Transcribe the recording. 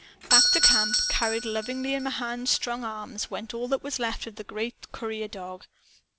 Back to camp, carried lovingly in Mahan's strong arms, went all that was left of the great courier dog.